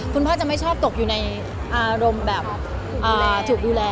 คุณพ่อจะไม่ชอบตกอยู่ในอารมณ์แบบถูกดูแล